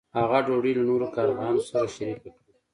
هغه ډوډۍ له نورو کارغانو سره شریکه کړه.